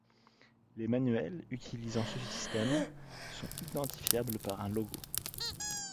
Les manuels utilisant ce système sont identifiables par un logo.